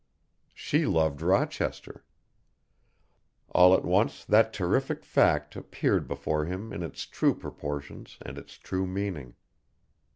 She loved Rochester. All at once that terrific fact appeared before him in its true proportions and its true meaning.